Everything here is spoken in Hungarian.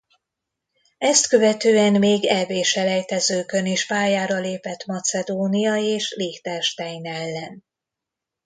Ezt követően még Eb-selejtezőkön is pályára lépett Macedónia és Liechtenstein ellen.